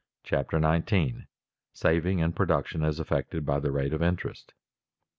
CHAPTER 19 SAVING AND PRODUCTION AS AFFECTED BY THE RATE OF INTEREST § I.